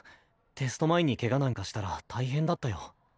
テスト前にケガなんかしたら大変だったよ。